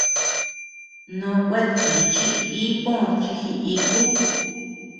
Nòò kueatʼichi ii pö chi jiniku.